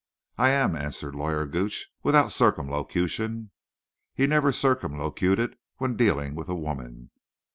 "I am," answered Lawyer Gooch, without circumlocution. He never circumlocuted when dealing with a woman.